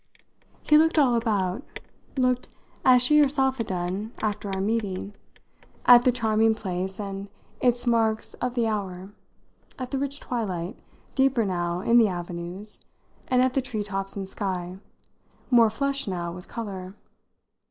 He looked all about looked, as she herself had done after our meeting, at the charming place and its marks of the hour, at the rich twilight, deeper now in the avenues, and at the tree tops and sky, more flushed now with colour.